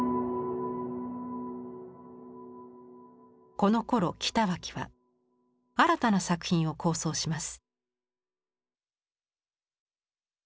このころ北脇は新たな作品を構想します。